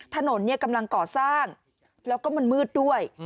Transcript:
ถนนกำลังก่อสร้างแล้วก็มันมืดด้วย